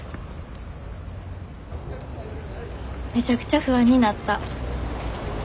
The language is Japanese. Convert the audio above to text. めちゃくちゃ不安になった。